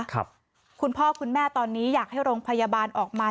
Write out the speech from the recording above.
คุณพ่อคุณแม่ตอนนี้อยากให้โรงพยาบาลออกมา